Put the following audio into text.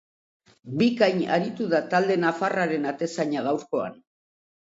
Bikain aritu da talde nafarraren atezaina gaurkoan.